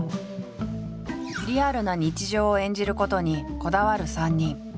リアルな日常を演じることにこだわる３人。